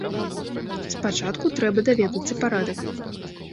Спачатку трэба даведацца парадак.